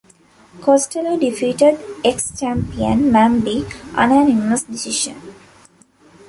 Costello defeated ex-champion Mamby unanimous decision.